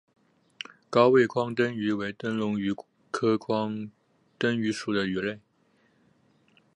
高位眶灯鱼为灯笼鱼科眶灯鱼属的鱼类。